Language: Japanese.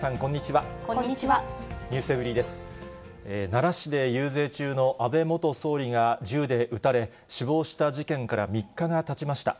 奈良市で遊説中の安倍元総理が銃で撃たれ、死亡した事件から３日がたちました。